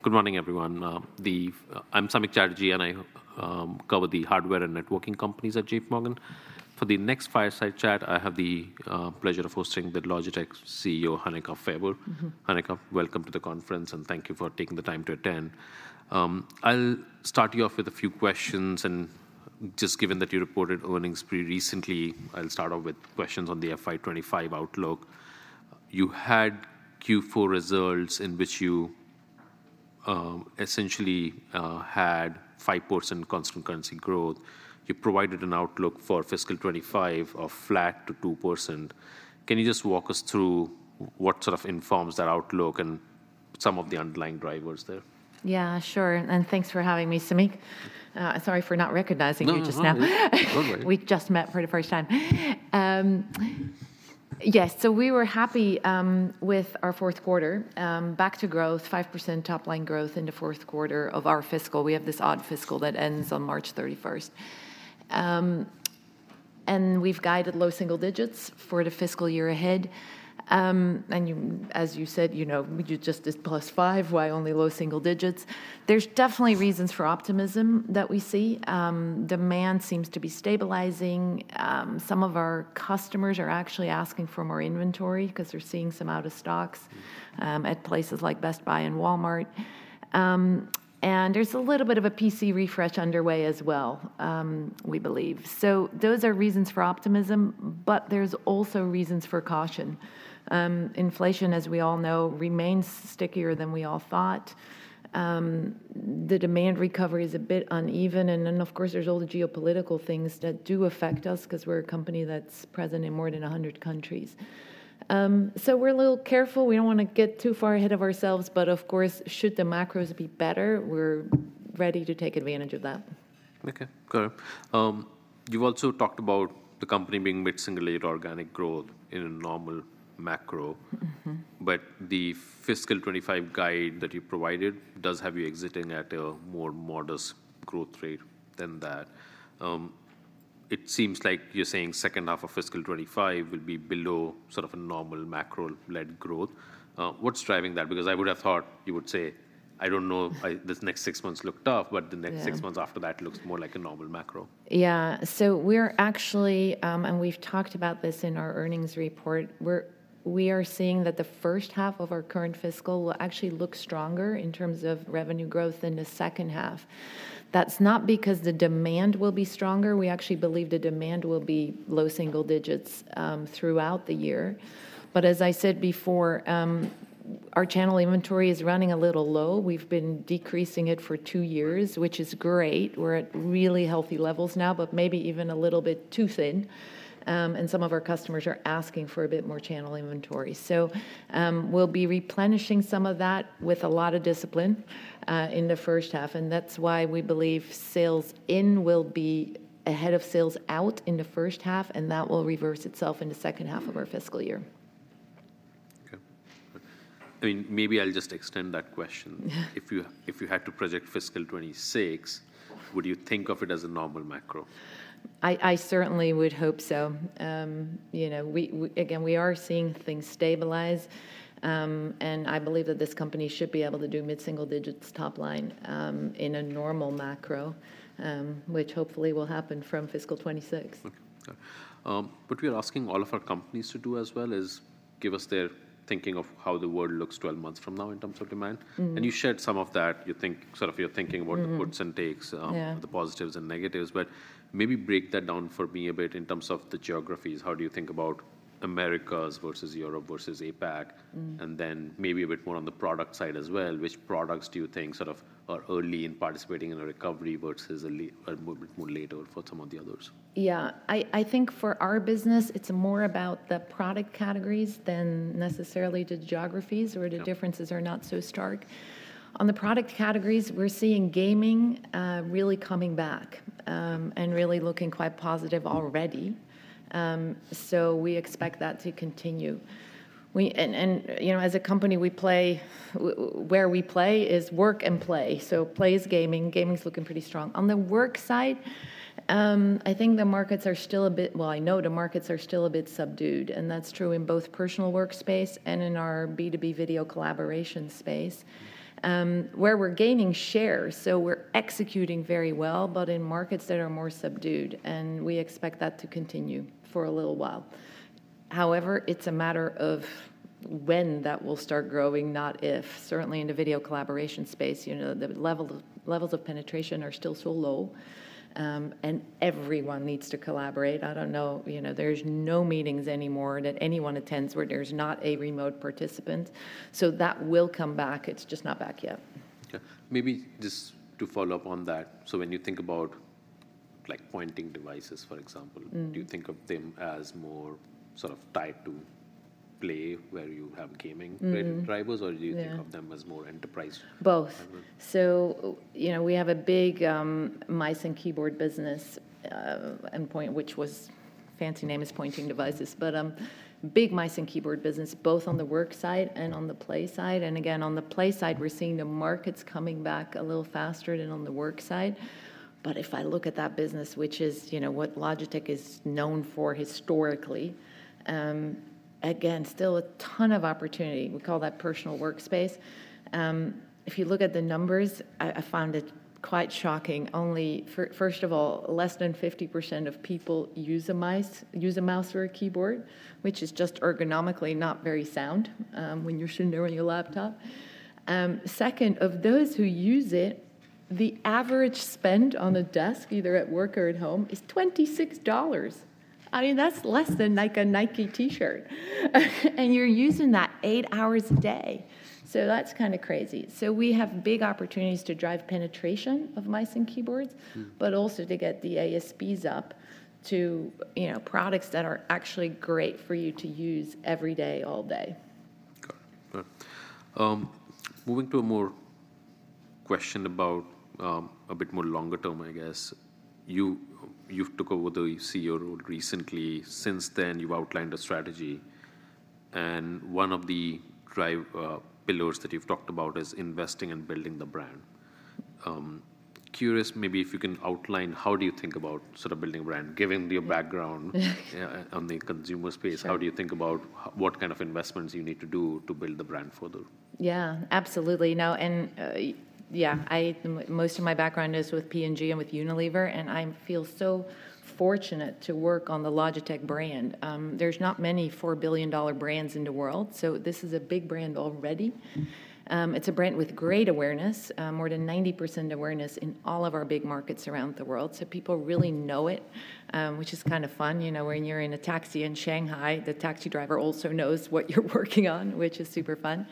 Good morning, everyone. I'm Samik Chatterjee, and I cover the hardware and networking companies at J.P. Morgan. For the next fireside chat, I have the pleasure of hosting the Logitech CEO, Hanneke Faber. Mm-hmm. Hanneke, welcome to the conference, and thank you for taking the time to attend. I'll start you off with a few questions, and just given that you reported earnings pretty recently, I'll start off with questions on the FY 2025 outlook. You had Q4 results in which you essentially had 5% constant currency growth. You provided an outlook for fiscal 2025 of flat to 2%. Can you just walk us through what sort of informs that outlook and some of the underlying drivers there? Yeah, sure. Thanks for having me, Samik. Sorry for not recognizing you just now. No, no, no worry. We just met for the first time. Yes, so we were happy with our fourth quarter, back to growth, 5% top-line growth in the fourth quarter of our fiscal. We have this odd fiscal that ends on March 31st. And we've guided low single digits for the fiscal year ahead. And you, as you said, you know, we do just this plus 5, why only low single digits? There's definitely reasons for optimism that we see. Demand seems to be stabilizing. Some of our customers are actually asking for more inventory 'cause they're seeing some out-of-stocks at places like Best Buy and Walmart. And there's a little bit of a PC refresh underway as well, we believe. So those are reasons for optimism, but there's also reasons for caution. Inflation, as we all know, remains stickier than we all thought. The demand recovery is a bit uneven, and then, of course, there's all the geopolitical things that do affect us 'cause we're a company that's present in more than a hundred countries. So we're a little careful. We don't wanna get too far ahead of ourselves, but of course, should the macros be better, we're ready to take advantage of that. Okay, got it. You also talked about the company being mid-single organic growth in a normal macro. Mm-hmm. But the fiscal 2025 guide that you provided does have you exiting at a more modest growth rate than that. It seems like you're saying second half of fiscal 2025 will be below sort of a normal macro-led growth. What's driving that? Because I would have thought you would say, "I don't know-... I, this next six months look tough, but the next- Yeah... six months after that looks more like a normal macro. Yeah. So we're actually, and we've talked about this in our earnings report, we are seeing that the first half of our current fiscal will actually look stronger in terms of revenue growth than the second half. That's not because the demand will be stronger. We actually believe the demand will be low single digits throughout the year. But as I said before, our channel inventory is running a little low. We've been decreasing it for two years- Right... which is great. We're at really healthy levels now, but maybe even a little bit too thin. And some of our customers are asking for a bit more channel inventory. So, we'll be replenishing some of that with a lot of discipline in the first half, and that's why we believe sales in will be ahead of sales out in the first half, and that will reverse itself in the second half of our fiscal year. Okay. I mean, maybe I'll just extend that question. Yeah. If you had to project fiscal 2026, would you think of it as a normal macro? I certainly would hope so. You know, again, we are seeing things stabilize, and I believe that this company should be able to do mid-single digits top line, in a normal macro, which hopefully will happen from fiscal 2026. Okay, got it. What we are asking all of our companies to do as well is give us their thinking of how the world looks 12 months from now in terms of demand. Mm-hmm. You shared some of that, you think- sort of you're thinking about- Mm... the puts and takes, Yeah... the positives and negatives, but maybe break that down for me a bit in terms of the geographies. How do you think about Americas versus Europe versus APAC? Mm. Then maybe a bit more on the product side as well, which products do you think sort of are early in participating in a recovery versus a little bit more later for some of the others? Yeah. I think for our business, it's more about the product categories than necessarily the geographies- Yeah... where the differences are not so stark. On the product categories, we're seeing gaming, really coming back, and really looking quite positive already. So we expect that to continue. And, you know, as a company, where we play is work and play. So play is gaming. Gaming is looking pretty strong. On the work side, I think the markets are still a bit subdued. Well, I know the markets are still a bit subdued, and that's true in both personal workspace and in our B2B video collaboration space, where we're gaining shares, so we're executing very well, but in markets that are more subdued, and we expect that to continue for a little while. However, it's a matter of when that will start growing, not if. Certainly, in the video collaboration space, you know, the levels of penetration are still so low, and everyone needs to collaborate. I don't know, you know, there's no meetings anymore that anyone attends where there's not a remote participant. So that will come back. It's just not back yet. Yeah. Maybe just to follow up on that: so when you think about, like, pointing devices, for example- Mm... do you think of them as more sort of tied to play, where you have gaming- Mm... driven drivers- Yeah... or do you think of them as more enterprise? Both. Both. So, you know, we have a big mice and keyboard business, endpoint, which was fancy name is pointing devices, but big mice and keyboard business, both on the work side and on the play side. And again, on the play side, we're seeing the markets coming back a little faster than on the work side. But if I look at that business, which is, you know, what Logitech is known for historically, again, still a ton of opportunity. We call that personal workspace. If you look at the numbers, I found it quite shocking. Only first of all, less than 50% of people use a mouse or a keyboard, which is just ergonomically not very sound, when you're sitting there on your laptop. Second, of those who use it, the average spend on a desk, either at work or at home, is $26. I mean, that's less than like a Nike T-shirt, and you're using that 8 hours a day. So that's kind of crazy. So we have big opportunities to drive penetration of mice and keyboards- Mm... but also to get the ASPs up to, you know, products that are actually great for you to use every day, all day. Got it. Right. Moving to a more question about a bit more longer term, I guess. You, you've took over the CEO role recently. Since then, you've outlined a strategy, and one of the drive, pillars that you've talked about is investing in building the brand. Curious, maybe if you can outline how do you think about sort of building a brand, given your background... yeah, on the consumer space? Sure. How do you think about what kind of investments you need to do to build the brand further? Yeah, absolutely. Most of my background is with P&G and with Unilever, and I feel so fortunate to work on the Logitech brand. There's not many $4 billion brands in the world, so this is a big brand already. It's a brand with great awareness, more than 90% awareness in all of our big markets around the world, so people really know it, which is kind of fun. You know, when you're in a taxi in Shanghai, the taxi driver also knows what you're working on, which is super fun.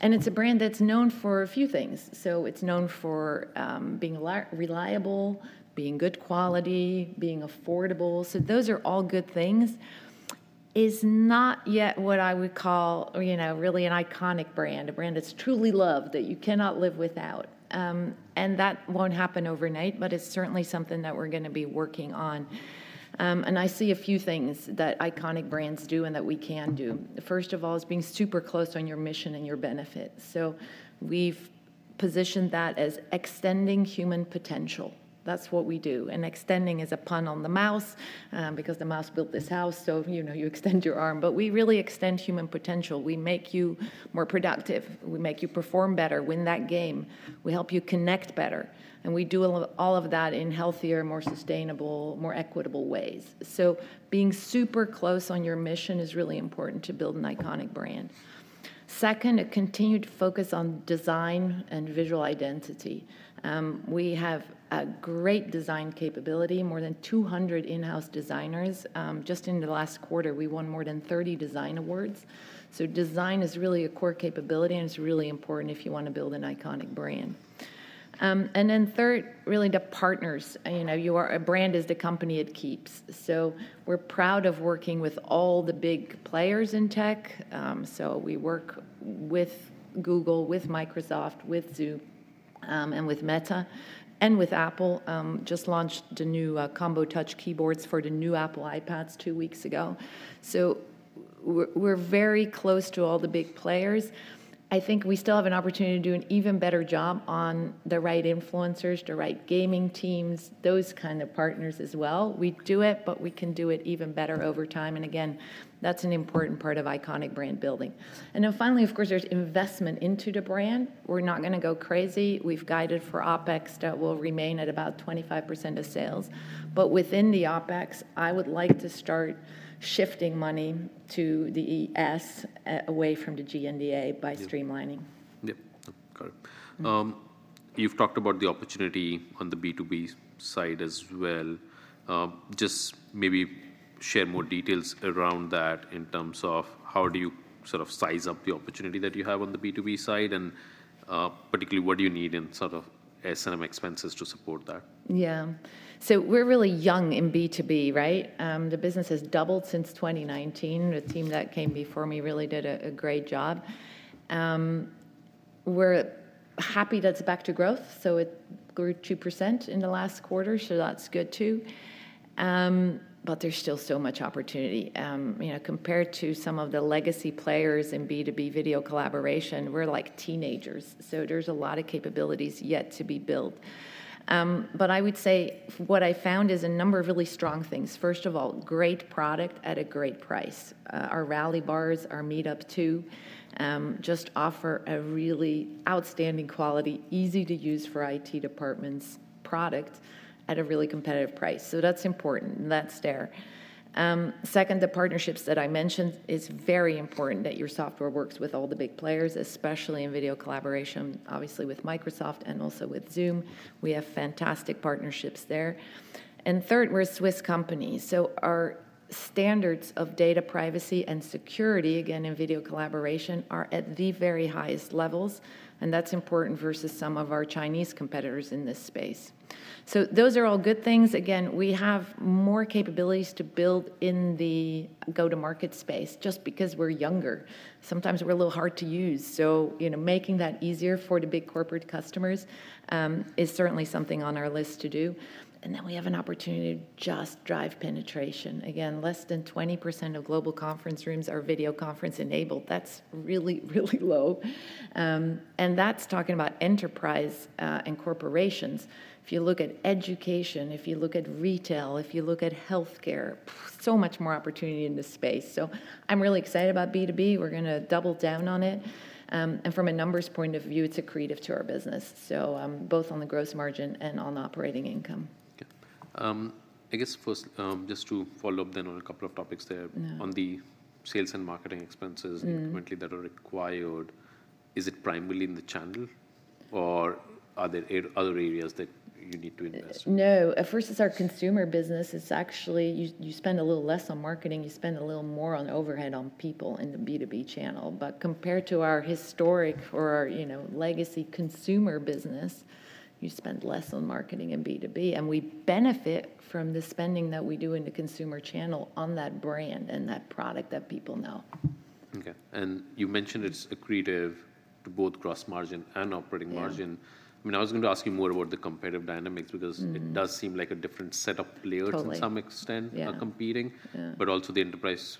And it's a brand that's known for a few things. So it's known for being reliable, being good quality, being affordable. So those are all good things. It's not yet what I would call, you know, really an iconic brand, a brand that's truly loved, that you cannot live without. And that won't happen overnight, but it's certainly something that we're going to be working on. And I see a few things that iconic brands do and that we can do. First of all, is being super close on your mission and your benefits. So we've positioned that as extending human potential. That's what we do. And extending is a pun on the mouse, because the mouse built this house, so, you know, you extend your arm. But we really extend human potential. We make you more productive. We make you perform better, win that game. We help you connect better, and we do all of that in healthier, more sustainable, more equitable ways. So being super close on your mission is really important to build an iconic brand. Second, a continued focus on design and visual identity. We have a great design capability, more than 200 in-house designers. Just in the last quarter, we won more than 30 design awards. So design is really a core capability, and it's really important if you want to build an iconic brand. And then third, really, the partners. You know, your brand is the company it keeps. So we're proud of working with all the big players in tech. So we work with Google, with Microsoft, with Zoom, and with Meta, and with Apple. Just launched the new Combo Touch keyboards for the new Apple iPads two weeks ago. So we're very close to all the big players. I think we still have an opportunity to do an even better job on the right influencers, the right gaming teams, those kind of partners as well. We do it, but we can do it even better over time, and again, that's an important part of iconic brand building. And then finally, of course, there's investment into the brand. We're not going to go crazy. We've guided for OpEx that will remain at about 25% of sales. But within the OpEx, I would like to start shifting money to the ES, away from the G&A by streamlining. Yeah. Yep, got it. Mm. You've talked about the opportunity on the B2B side as well. Just maybe share more details around that in terms of how do you sort of size up the opportunity that you have on the B2B side, and, particularly, what do you need in sort of S&M expenses to support that? Yeah. So we're really young in B2B, right? The business has doubled since 2019. The team that came before me really did a great job. We're happy that it's back to growth, so it grew 2% in the last quarter, so that's good, too. But there's still so much opportunity. You know, compared to some of the legacy players in B2B video collaboration, we're like teenagers, so there's a lot of capabilities yet to be built. But I would say what I found is a number of really strong things. First of all, great product at a great price. Our Rally Bars, our MeetUp 2, just offer a really outstanding quality, easy-to-use for IT departments, product at a really competitive price. So that's important, and that's there. Second, the partnerships that I mentioned, it's very important that your software works with all the big players, especially in video collaboration, obviously with Microsoft and also with Zoom. We have fantastic partnerships there. And third, we're a Swiss company, so our standards of data privacy and security, again, in video collaboration, are at the very highest levels, and that's important versus some of our Chinese competitors in this space. So those are all good things. Again, we have more capabilities to build in the go-to-market space just because we're younger. Sometimes we're a little hard to use, so, you know, making that easier for the big corporate customers is certainly something on our list to do. And then we have an opportunity to just drive penetration. Again, less than 20% of global conference rooms are video conference-enabled. That's really, really low. And that's talking about enterprise and corporations. If you look at education, if you look at retail, if you look at healthcare, pfft, so much more opportunity in this space. So I'm really excited about B2B. We're gonna double down on it. And from a numbers point of view, it's accretive to our business, so both on the gross margin and on operating income. Okay. I guess first, just to follow up then on a couple of topics there. Mm. on the sales and marketing expenses. Mm... importantly, that are required, is it primarily in the channel, or are there other areas that you need to invest? No, at first it's our consumer business. It's actually, you, you spend a little less on marketing. You spend a little more on overhead on people in the B2B channel. But compared to our historic or, you know, legacy consumer business, you spend less on marketing in B2B, and we benefit from the spending that we do in the consumer channel on that brand and that product that people know. Okay, and you mentioned it's accretive to both gross margin and operating margin. Yeah. I mean, I was going to ask you more about the competitive dynamics because- Mm... it does seem like a different set of players- Totally... to some extent- Yeah... are competing. Yeah. Also, the enterprise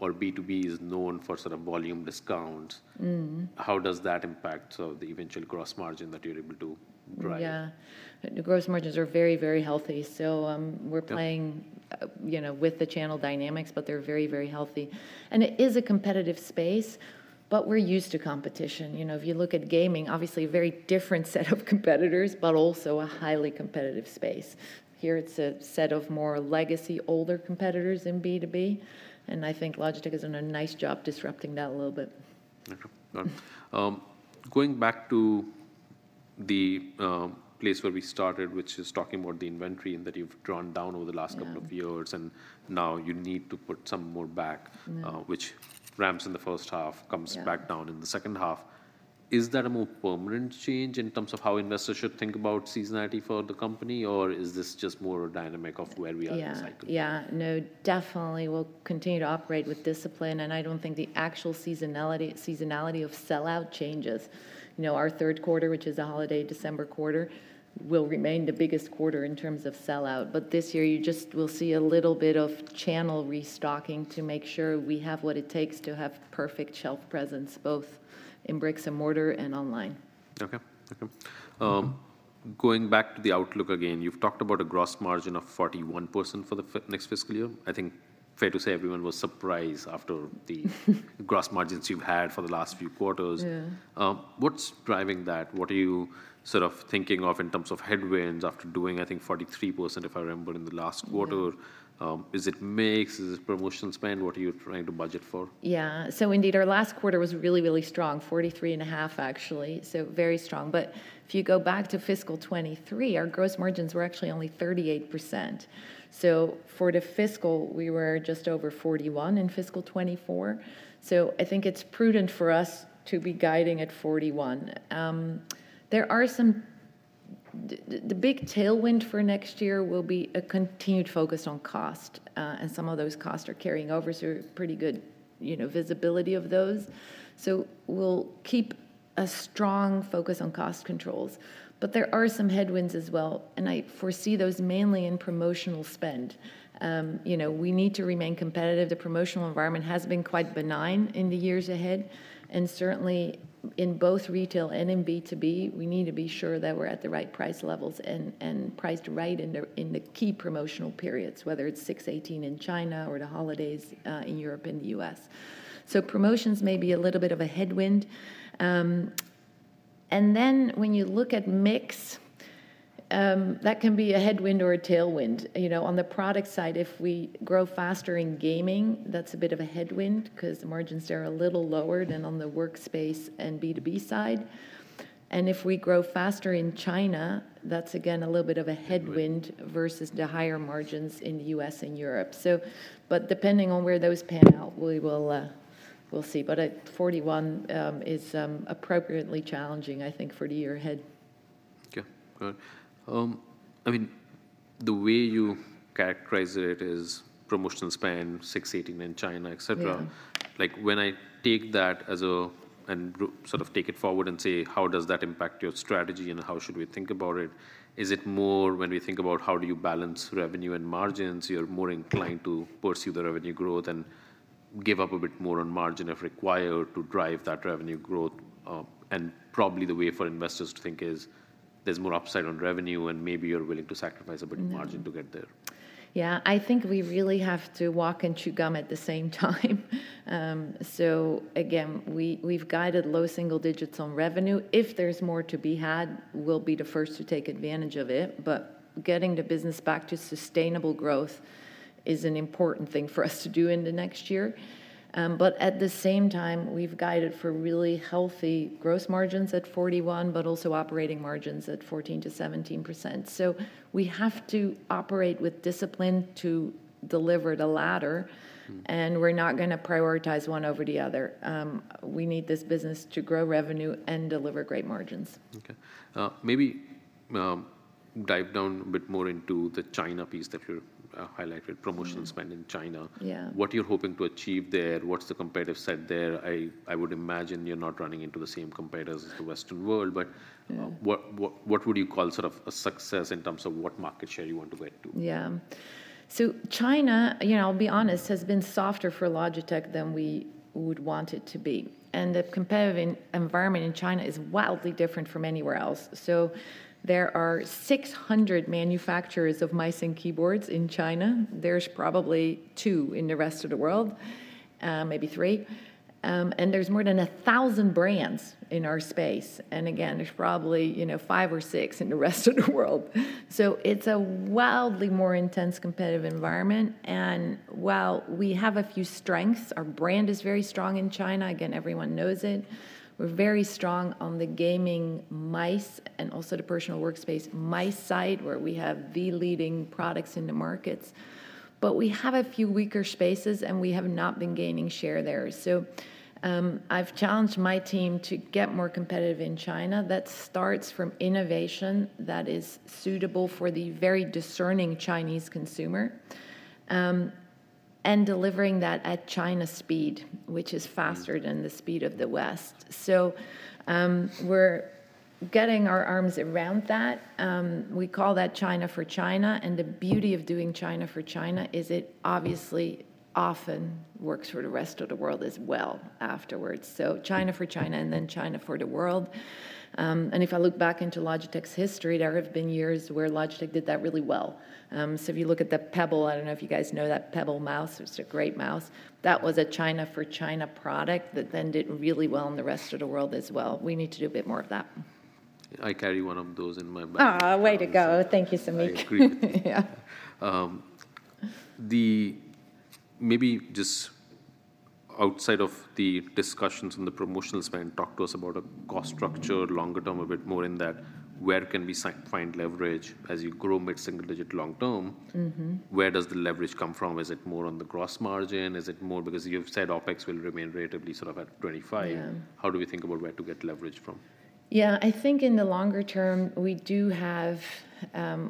or B2B is known for sort of volume discounts. Mm-hmm. How does that impact, so the eventual gross margin that you're able to drive? Yeah. The gross margins are very, very healthy, so we're- Yeah... playing, you know, with the channel dynamics, but they're very, very healthy. And it is a competitive space, but we're used to competition. You know, if you look at gaming, obviously a very different set of competitors, but also a highly competitive space. Here, it's a set of more legacy, older competitors in B2B, and I think Logitech has done a nice job disrupting that a little bit. Okay, got it. Going back to the place where we started, which is talking about the inventory, and that you've drawn down over the last couple- Yeah... of years, and now you need to put some more back- Mm... which ramps in the first half- Yeah... comes back down in the second half. Is that a more permanent change in terms of how investors should think about seasonality for the company, or is this just more a dynamic of where we are in the cycle? Yeah, yeah. No, definitely we'll continue to operate with discipline, and I don't think the actual seasonality of sell-out changes. You know, our third quarter, which is the holiday December quarter, will remain the biggest quarter in terms of sell-out. But this year, you just will see a little bit of channel restocking to make sure we have what it takes to have perfect shelf presence, both in bricks and mortar and online. Okay. Okay. Mm-hmm. Going back to the outlook again, you've talked about a gross margin of 41% for the next fiscal year. I think fair to say everyone was surprised after the gross margins you've had for the last few quarters. Yeah. What's driving that? What are you sort of thinking of in terms of headwinds after doing, I think, 43%, if I remember, in the last quarter? Yeah. Is it mix? Is it promotion spend? What are you trying to budget for? Yeah. So indeed, our last quarter was really, really strong, 43.5, actually, so very strong. But if you go back to fiscal 2023, our gross margins were actually only 38%. So for the fiscal, we were just over 41 in fiscal 2024, so I think it's prudent for us to be guiding at 41. There are some... the big tailwind for next year will be a continued focus on cost, and some of those costs are carrying over, so pretty good, you know, visibility of those. So we'll keep a strong focus on cost controls. But there are some headwinds as well, and I foresee those mainly in promotional spend. You know, we need to remain competitive. The promotional environment has been quite benign in the years ahead, and certainly in both retail and in B2B, we need to be sure that we're at the right price levels and priced right in the key promotional periods, whether it's 618 in China or the holidays in Europe and the U.S. So promotions may be a little bit of a headwind, and then when you look at mix, that can be a headwind or a tailwind. You know, on the product side, if we grow faster in gaming, that's a bit of a headwind, 'cause the margins there are a little lower than on the workspace and B2B side. And if we grow faster in China, that's again a little bit of a headwind. Headwind... versus the higher margins in the U.S. and Europe. So, but depending on where those pan out, we will, we'll see. But at 41, appropriately challenging, I think, for the year ahead. Okay, got it. I mean, the way you characterize it is promotional spend, 618 in China, etc.- Yeah... like, when I take that as a, and sort of take it forward and say: How does that impact your strategy and how should we think about it? Is it more when we think about how do you balance revenue and margins, you're more inclined to pursue the revenue growth and give up a bit more on margin if required to drive that revenue growth? And probably the way for investors to think is, there's more upside on revenue, and maybe you're willing to sacrifice a bit- Mm... of margin to get there. Yeah, I think we really have to walk and chew gum at the same time. So again, we've guided low single digits on revenue. If there's more to be had, we'll be the first to take advantage of it. But getting the business back to sustainable growth is an important thing for us to do in the next year. But at the same time, we've guided for really healthy gross margins at 41%, but also operating margins at 14%-17%. So we have to operate with discipline to deliver the latter- Mm. -and we're not gonna prioritize one over the other. We need this business to grow revenue and deliver great margins. Okay. Maybe dive down a bit more into the China piece that you highlighted. Mm. Promotional spend in China. Yeah. What you're hoping to achieve there? What's the competitive set there? I, I would imagine you're not running into the same competitors as the Western world, but- Yeah... what would you call sort of a success in terms of what market share you want to get to? Yeah. So China, you know, I'll be honest, has been softer for Logitech than we would want it to be, and the competitive environment in China is wildly different from anywhere else. So there are 600 manufacturers of mice and keyboards in China. There's probably two in the rest of the world, maybe three, and there's more than 1,000 brands in our space. And again, there's probably, you know, five or six in the rest of the world. So it's a wildly more intense competitive environment, and while we have a few strengths, our brand is very strong in China, again, everyone knows it. We're very strong on the gaming mice and also the personal workspace mice side, where we have the leading products in the markets, but we have a few weaker spaces, and we have not been gaining share there. So, I've challenged my team to get more competitive in China. That starts from innovation that is suitable for the very discerning Chinese consumer, and delivering that at China speed. Mm... which is faster than the speed of the West. So, we're getting our arms around that. We call that China for China, and the beauty of doing China for China is it obviously often works for the rest of the world as well afterwards. So China for China and then China for the world. And if I look back into Logitech's history, there have been years where Logitech did that really well. So if you look at the Pebble, I don't know if you guys know that Pebble mouse, it's a great mouse, that was a China for China product that then did really well in the rest of the world as well. We need to do a bit more of that. I carry one of those in my bag. Oh, way to go. Thank you so much. I agree. Yeah. Maybe just outside of the discussions on the promotional spend, talk to us about a cost structure, longer term, a bit more in that, where can we find leverage as you grow mid-single digit long term? Mm-hmm. Where does the leverage come from? Is it more on the Gross Margin? Is it more because you've said OpEx will remain relatively sort of at 25. Yeah. How do we think about where to get leverage from? Yeah, I think in the longer term, we do have...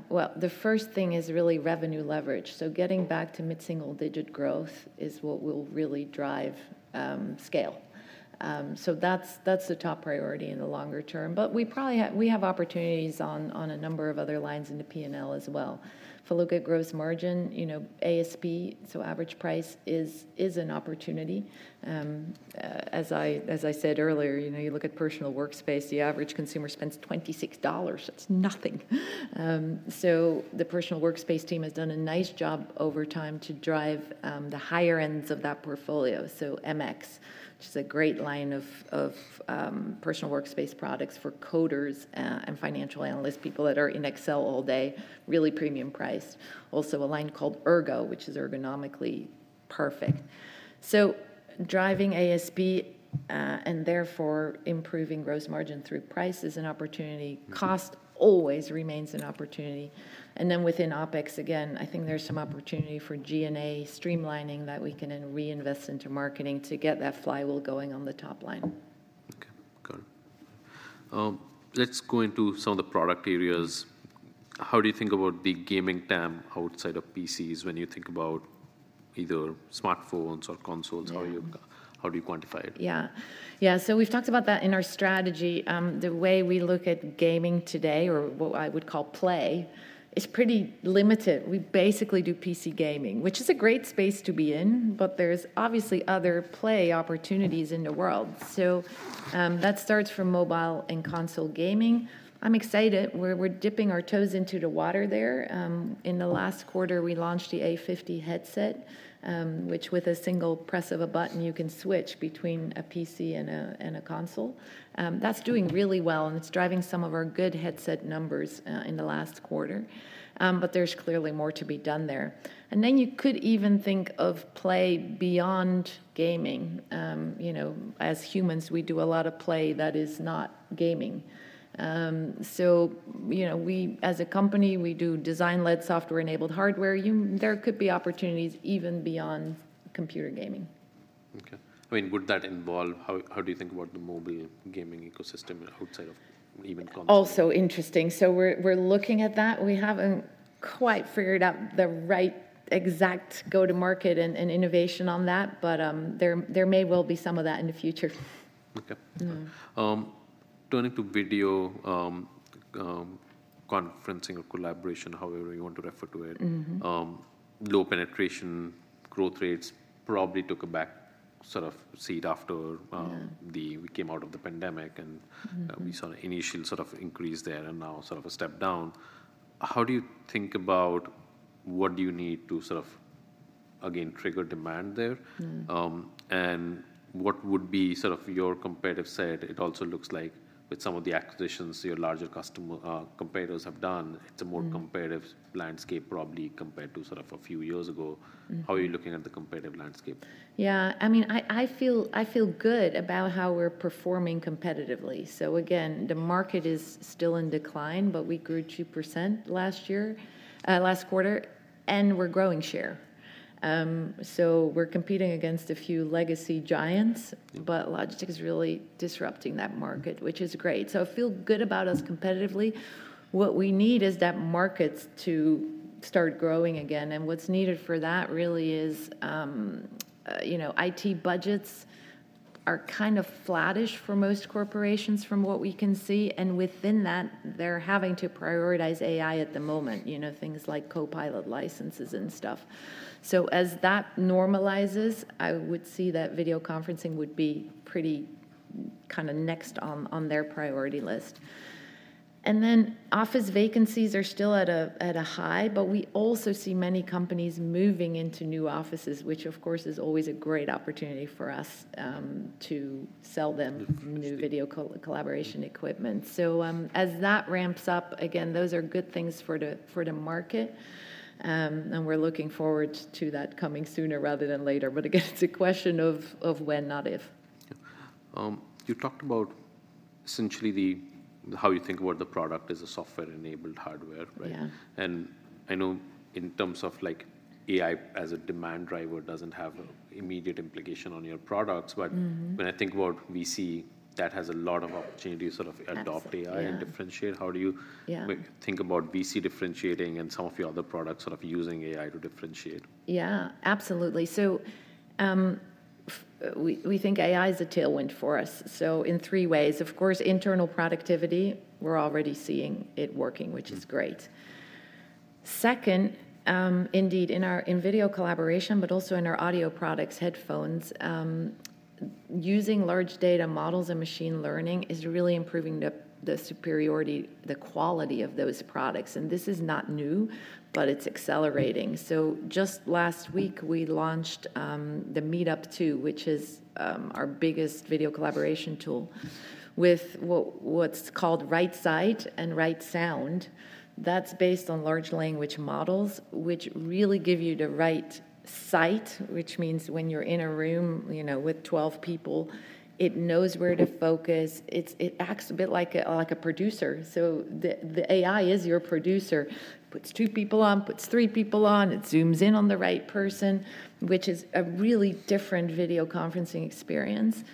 Well, the first thing is really revenue leverage. So getting back to mid-single digit growth is what will really drive scale. So that's, that's the top priority in the longer term, but we probably have - we have opportunities on a number of other lines in the P&L as well. If you look at gross margin, you know, ASP, so average price, is an opportunity. As I said earlier, you know, you look at personal workspace, the average consumer spends $26. That's nothing. So the personal workspace team has done a nice job over time to drive the higher ends of that portfolio. So MX, which is a great line of personal workspace products for coders, and financial analysts, people that are in Excel all day, really premium priced. Also, a line called Ergo, which is ergonomically perfect. So driving ASP, and therefore, improving gross margin through price is an opportunity. Mm. Cost always remains an opportunity. And then within OpEx, again, I think there's some opportunity for G&A streamlining that we can then reinvest into marketing to get that flywheel going on the top line. Okay, got it. Let's go into some of the product areas. How do you think about the gaming TAM outside of PCs when you think about either smartphones or consoles? Yeah. How do you quantify it? Yeah. Yeah, so we've talked about that in our strategy. The way we look at gaming today, or what I would call play, is pretty limited. We basically do PC gaming, which is a great space to be in, but there's obviously other play opportunities in the world. So, that starts from mobile and console gaming. I'm excited, we're dipping our toes into the water there. In the last quarter, we launched the A50 headset, which with a single press of a button, you can switch between a PC and a console. That's doing really well, and it's driving some of our good headset numbers in the last quarter. But there's clearly more to be done there. And then you could even think of play beyond gaming. You know, as humans, we do a lot of play that is not gaming. So you know, we, as a company, we do design-led, software-enabled hardware. You. There could be opportunities even beyond computer gaming. Okay. I mean, would that involve... How do you think about the mobile gaming ecosystem outside of even console? Also interesting. So we're looking at that. We haven't quite figured out the right exact go-to-market and innovation on that, but there may well be some of that in the future. Okay. Mm-hmm. Turning to video conferencing or collaboration, however you want to refer to it. Mm-hmm. Low penetration growth rates probably took a back sort of seat after, Yeah... we came out of the pandemic, and- Mm-hmm... we saw an initial sort of increase there and now sort of a step down. How do you think about what do you need to sort of again trigger demand there? Mm-hmm. What would be sort of your competitive set? It also looks like with some of the acquisitions your larger customer, competitors have done- Mm. It's a more competitive landscape probably compared to sort of a few years ago. Mm. How are you looking at the competitive landscape? Yeah, I mean, I feel good about how we're performing competitively. So again, the market is still in decline, but we grew 2% last year, last quarter, and we're growing share. So we're competing against a few legacy giants, but Logitech is really disrupting that market, which is great. So I feel good about us competitively. What we need is that market to start growing again, and what's needed for that really is, you know, IT budgets are kind of flattish for most corporations from what we can see, and within that, they're having to prioritize AI at the moment, you know, things like Copilot licenses and stuff. So as that normalizes, I would see that video conferencing would be pretty kind of next on their priority list. Then, office vacancies are still at a high, but we also see many companies moving into new offices, which of course is always a great opportunity for us, to sell them. Mm, mm... new video collaboration equipment. So, as that ramps up, again, those are good things for the market, and we're looking forward to that coming sooner rather than later. But again, it's a question of when, not if. Yep. You talked about essentially how you think about the product as a software-enabled hardware, right? Yeah. I know in terms of, like, AI as a demand driver doesn't have immediate implication on your products, but- Mm-hmm... when I think about VC, that has a lot of opportunity to sort of- Absolutely... adopt AI and differentiate. Yeah. How do you- Yeah... think about VC differentiating and some of your other products sort of using AI to differentiate? Yeah, absolutely. So, we think AI is a tailwind for us, so in three ways: of course, internal productivity, we're already seeing it working, which is great. Second, indeed, in our video collaboration, but also in our audio products, headphones, using large language models and machine learning is really improving the superiority, the quality of those products, and this is not new, but it's accelerating. So just last week, we launched the MeetUp 2, which is our biggest video collaboration tool, with what's called RightSight and RightSound. That's based on large language models, which really give you the right sight, which means when you're in a room, you know, with 12 people, it knows where to focus. It acts a bit like a producer. So the AI is your producer. Puts two people on, puts three people on, it zooms in on the right person, which is a really different video conferencing experience.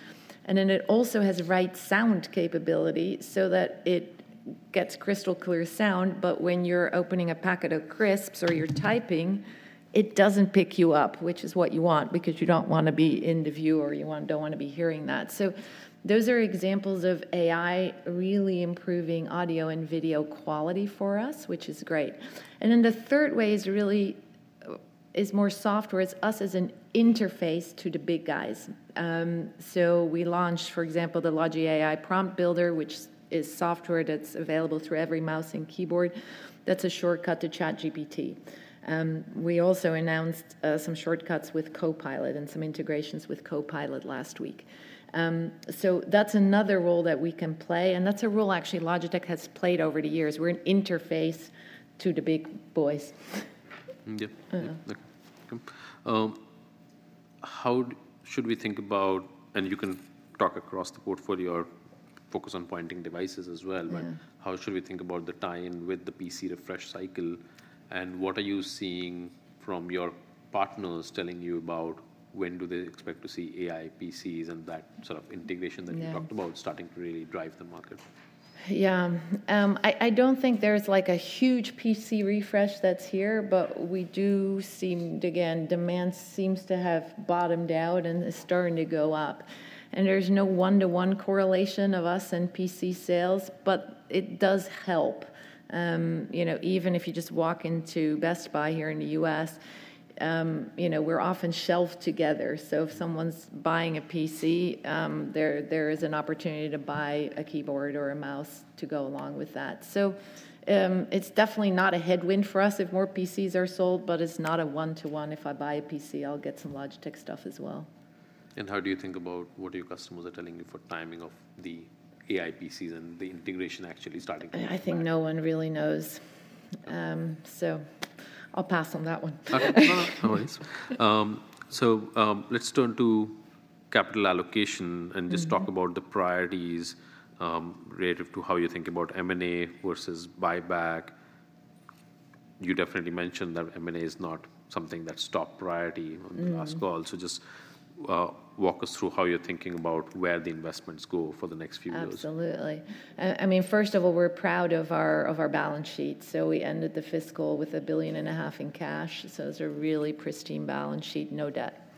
And then it also has RightSound capability so that it gets crystal clear sound, but when you're opening a packet of crisps or you're typing, it doesn't pick you up, which is what you want, because you don't want to be in the view, or you don't want to be hearing that. So those are examples of AI really improving audio and video quality for us, which is great. And then the third way is really is more software. It's us as an interface to the big guys. So we launched, for example, the Logi AI Prompt Builder, which is software that's available through every mouse and keyboard. That's a shortcut to ChatGPT. We also announced some shortcuts with Copilot and some integrations with Copilot last week. So that's another role that we can play, and that's a role actually Logitech has played over the years. We're an interface to the big boys. Yep. Mm-hmm. Okay. How should we think about... And you can talk across the portfolio or focus on pointing devices as well- Yeah... but how should we think about the tie-in with the PC refresh cycle, and what are you seeing from your partners telling you about when do they expect to see AI PCs and that sort of integration? Yeah... that you talked about starting to really drive the market? Yeah. I don't think there's, like, a huge PC refresh that's here, but we do see, again, demand seems to have bottomed out and is starting to go up, and there's no one-to-one correlation of us and PC sales, but it does help. You know, even if you just walk into Best Buy here in the US, you know, we're often shelved together. So if someone's buying a PC, there is an opportunity to buy a keyboard or a mouse to go along with that. So, it's definitely not a headwind for us if more PCs are sold, but it's not a one-to-one, if I buy a PC, I'll get some Logitech stuff as well. How do you think about what your customers are telling you for timing of the AI PCs and the integration actually starting? I think no one really knows. So, I'll pass on that one. All right. So, let's turn to capital allocation- Mm... and just talk about the priorities, relative to how you think about M&A versus buyback. You definitely mentioned that M&A is not something that's top priority- Mm... on the last call. So just, walk us through how you're thinking about where the investments go for the next few years. Absolutely. I mean, first of all, we're proud of our, of our balance sheet. So we ended the fiscal with $1.5 billion in cash, so it's a really pristine balance sheet, no debt.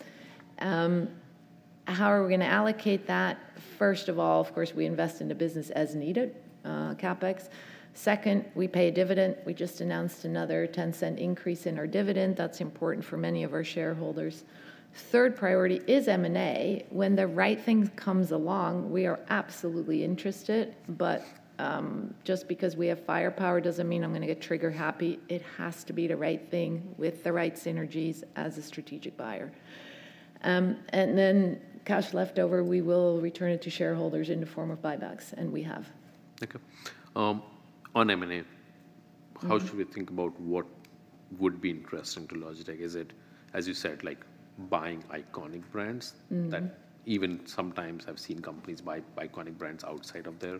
How are we gonna allocate that? First of all, of course, we invest in the business as needed, CapEx. Second, we pay a dividend. We just announced another $0.10 increase in our dividend. That's important for many of our shareholders. Third priority is M&A. When the right thing comes along, we are absolutely interested, but, just because we have firepower doesn't mean I'm gonna get trigger happy. It has to be the right thing with the right synergies as a strategic buyer. And then cash left over, we will return it to shareholders in the form of buybacks, and we have. Okay. On M&A- Mm. How should we think about what would be interesting to Logitech? Is it, as you said, like, buying iconic brands? Mm. That even sometimes I've seen companies buy iconic brands outside of their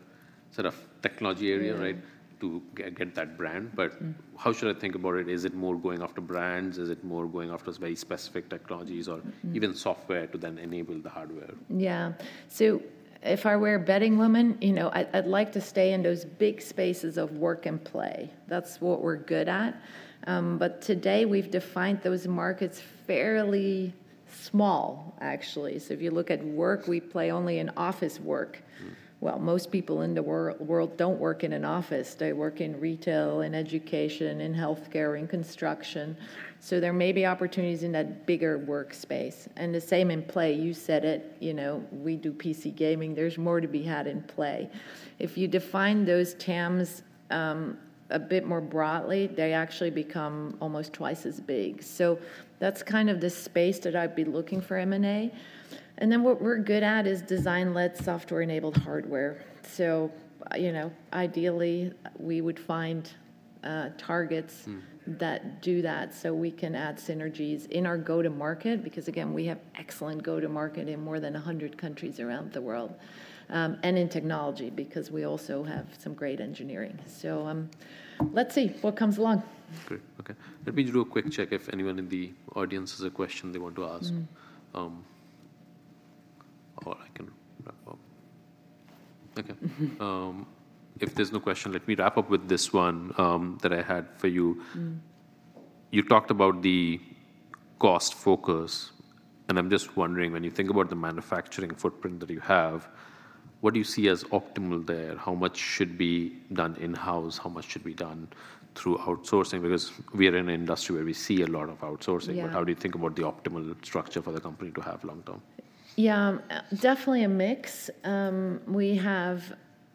sort of technology area- Yeah... right, to get that brand. Mm. How should I think about it? Is it more going after brands? Is it more going after very specific technologies or- Mm... even software to then enable the hardware? Yeah. So if I were a betting woman, you know, I'd like to stay in those big spaces of work and play. That's what we're good at. But today, we've defined those markets fairly small, actually. So if you look at work, we play only in office work. Mm. Well, most people in the world don't work in an office. They work in retail, in education, in healthcare, in construction. So there may be opportunities in that bigger workspace, and the same in play. You said it, you know, we do PC gaming. There's more to be had in play. If you define those terms a bit more broadly, they actually become almost twice as big. So that's kind of the space that I'd be looking for M&A. And then what we're good at is design-led, software-enabled hardware. So, you know, ideally, we would find targets- Mm... that do that, so we can add synergies in our go-to-market, because, again, we have excellent go-to-market in more than 100 countries around the world, and in technology, because we also have some great engineering. So, let's see what comes along. Great. Okay. Let me do a quick check if anyone in the audience has a question they want to ask. Mm. I can wrap up. Okay. If there's no question, let me wrap up with this one, that I had for you. Mm. You talked about the cost focus, and I'm just wondering, when you think about the manufacturing footprint that you have, what do you see as optimal there? How much should be done in-house? How much should be done through outsourcing? Because we are in an industry where we see a lot of outsourcing. Yeah... but how do you think about the optimal structure for the company to have long term? Yeah, definitely a mix. We have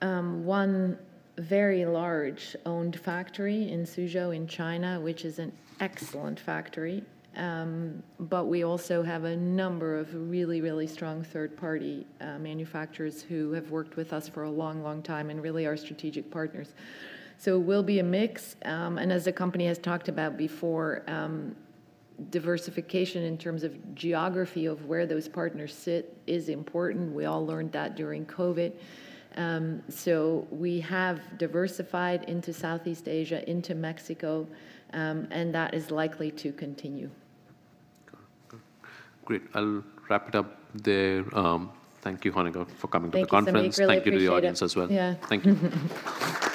one very large owned factory in Suzhou, in China, which is an excellent factory. But we also have a number of really, really strong third-party manufacturers who have worked with us for a long, long time and really are strategic partners. So it will be a mix, and as the company has talked about before, diversification in terms of geography of where those partners sit is important. We all learned that during COVID. So we have diversified into Southeast Asia, into Mexico, and that is likely to continue. Okay. Good. Great! I'll wrap it up there. Thank you, Hanneke, for coming to the conference. Thank you, Samik. Really appreciate it. Thank you to the audience as well. Yeah. Thank you.